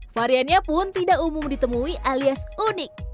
variannya pun tidak umum ditemui alias unik